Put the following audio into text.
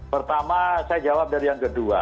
pertama saya jawab dari yang kedua